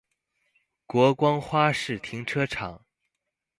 國光花市停車場